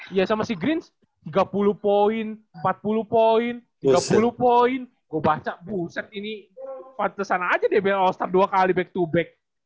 iya sama si greens tiga puluh poin empat puluh poin tiga puluh poin gue baca bu set ini kesana aja dia bilang all star dua kali back to back